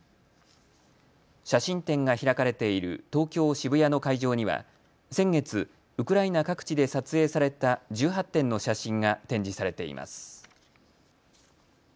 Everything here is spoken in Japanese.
写真展が開かれている東京渋谷の会場には先月、ウクライナ各地で撮影された１８点の写真が展示されています。